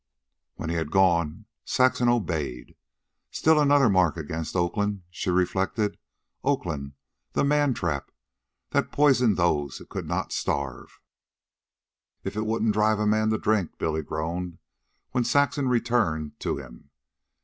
When he had gone, Saxon obeyed. Still another mark against Oakland, she reflected Oakland, the man trap, that poisoned those it could not starve. "If it wouldn't drive a man to drink," Billy groaned, when Saxon returned to him.